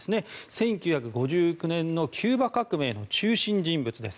１９５９年のキューバ革命の中心人物です。